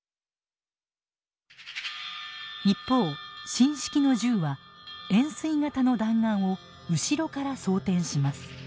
一方新式の銃は円すい形の弾丸を後ろから装填します。